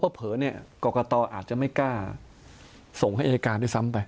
ผมว่าเพราะเผลอกรกฎอาจจะไม่กล้าส่งให้อายการด้วยซ้ำไป